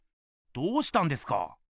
どうしたんですか？